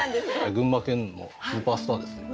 群馬県のスーパースターですよ。